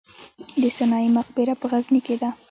د سنايي مقبره په غزني کې ده